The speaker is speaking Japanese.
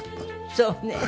そうね。